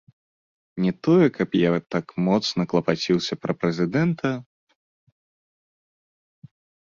Не тое, каб я так моцна клапаціўся пра прэзідэнта.